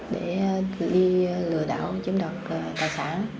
để gửi đi lừa đảo chiếm đọc tài sản